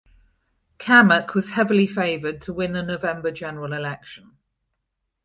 Cammack was heavily favored to win the November general election.